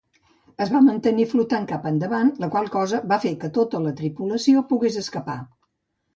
Es va mantenir flotant cap endavant, la qual cosa va fer que tota la tripulació pogués escapar.